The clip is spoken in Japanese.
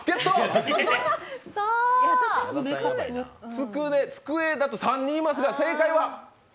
つくねつくえだと３人いますが正解は？